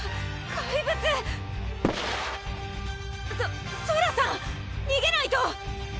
怪物⁉ソソラさん⁉にげないと！